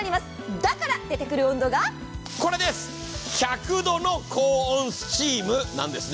だから出てくる温度が１００度の高温スチームなんですね。